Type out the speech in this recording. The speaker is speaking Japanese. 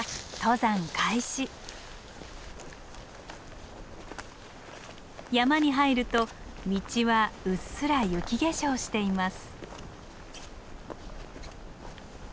山に入ると道はうっすら雪化粧しています。